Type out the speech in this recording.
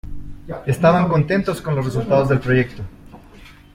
Estaban contentos con los resultados del proyecto.